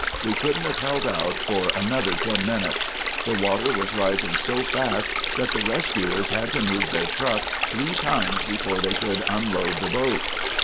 We couldn't have held out for another ten minutes. The water was rising so fast that the rescuers had to move their truck three times before they could unload the boat.